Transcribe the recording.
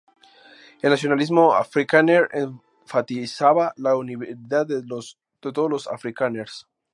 El nacionalismo afrikaner enfatizaba la unidad de todos los afrikaners.